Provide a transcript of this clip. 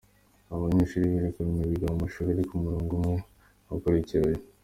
Abo banyeshuri birukanwe biga mu mashuri ari ku murongo umwe, akurikiranye.